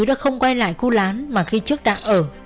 đã không quay lại khu lán mà khi trước đã ở